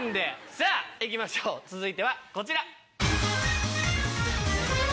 さぁいきましょう続いてはこちら。